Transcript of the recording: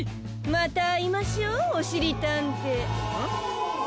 またあいましょうおしりたんてん？